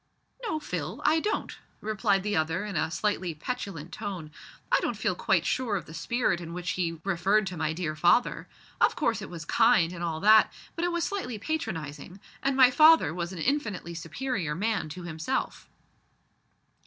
"No, Phil, I don't," replied the other in a slightly petulant tone; "I don't feel quite sure of the spirit in which he referred to my dear father. Of course it was kind and all that, but it was slightly patronising, and my father was an infinitely superior man to himself."